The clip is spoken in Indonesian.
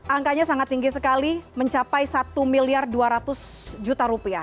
angkanya sangat tinggi sekali mencapai satu miliar dua ratus juta rupiah